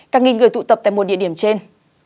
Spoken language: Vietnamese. càng nghìn người tụ tập tại một địa điểm trên